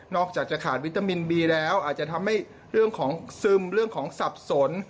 อกจากจะขาดวิตามินบีแล้วอาจจะทำให้เรื่องของซึมเรื่องของสับสน